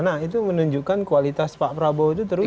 nah itu menunjukkan kualitas pak prabowo itu terus